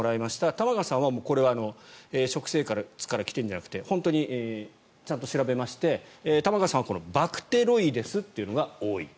玉川さんは食生活から来ているのではなくて本当にちゃんと調べまして玉川さんはこのバクテロイデスが多いと。